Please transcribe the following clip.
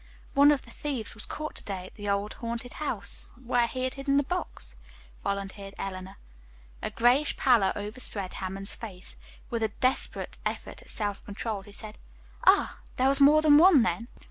"One of the thieves was caught to day, at the old haunted house, where he had hidden the box," volunteered Eleanor. A grayish pallor overspread Hammond's face. With a desperate effort at self control, he said: "Ah, there was more than one, then!"